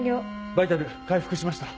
バイタル回復しました。